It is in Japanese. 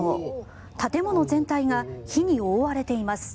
建物全体が火に覆われています。